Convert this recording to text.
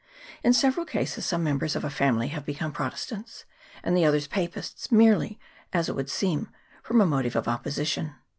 In several cases some members of a family have become Pro testants and the others Papists, merely, as it would seem, from a motive of opposition.